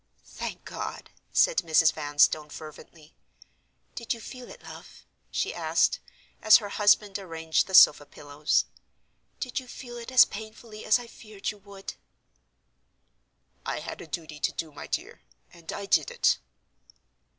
"Thank God!" said Mrs. Vanstone, fervently. "Did you feel it, love?" she asked, as her husband arranged the sofa pillows—"did you feel it as painfully as I feared you would?" "I had a duty to do, my dear—and I did it."